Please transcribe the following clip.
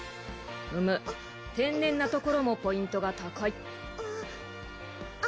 ふむ天然なところもポイントが高いあ